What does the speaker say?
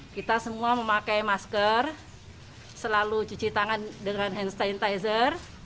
kita semua memakai masker selalu cuci tangan dengan hand sanitizer